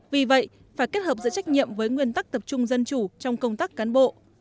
vì vậy phải kết hợp giữa trách nhiệm với nguyên tắc tập trung dân chủ trong công tác cán bộ